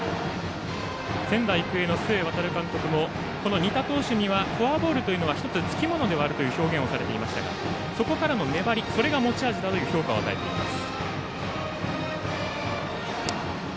仙台育英の須江航監督もこの仁田投手にはフォアボールというのはつきものではあるという話をしていましたがそこからの粘りが持ち味という評価を与えています。